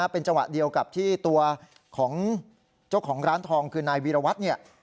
เป็นจังหวะเดียวกับที่ตัวของเจ้าของร้านทองคือนายวีรวัตรเนี่ย